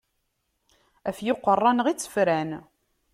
Ɣef yiqerra-nneɣ i tt-fran.